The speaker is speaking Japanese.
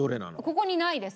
ここにないです。